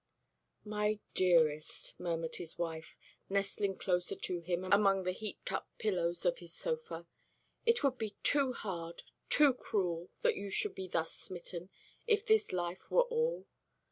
"My dearest," murmured his wife, nestling closer to him among the heaped up pillows of his sofa, "it would be too hard, too cruel that you should be thus smitten, if this life were all.